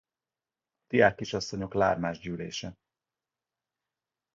A diákkisasszonyok lármás gyűlése